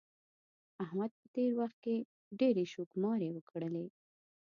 احمد په تېر وخت کې ډېرې شوکماری وکړلې.